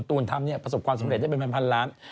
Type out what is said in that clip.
ตูนทำเนี่ยประสบความสำเร็จได้เป็นพันล้าน